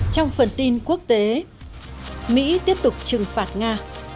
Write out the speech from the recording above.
trong phần tin quốc tế mỹ tiếp tục trừng phạt nga